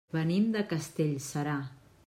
Venim de Castellserà.